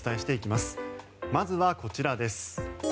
まずは、こちらです。